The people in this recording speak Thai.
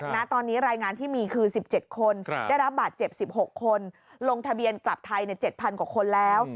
ณตอนนี้รายงานที่มีคือ๑๗คนได้รับบาดเจ็บ๑๖คนลงทะเบียนกลับไทย๗๐๐กว่าคนแล้ว